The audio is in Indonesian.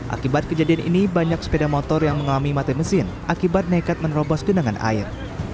akibat kejadian ini banyak sepeda motor yang mengalami mati mesin akibat nekat menerobos genangan air